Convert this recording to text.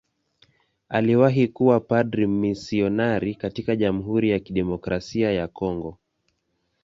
Aliwahi kuwa padri mmisionari katika Jamhuri ya Kidemokrasia ya Kongo.